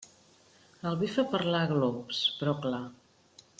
El vi fa parlar a glops, però clar.